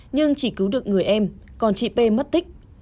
nhưng chỉ cứu được người em còn chị p mất tích